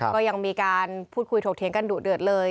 ก็ยังมีการพูดคุยถกเถียงกันดุเดือดเลย